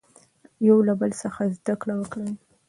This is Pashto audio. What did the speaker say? له یو بل څخه زده کړه وکړئ.